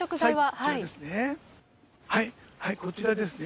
あと、こちらですね。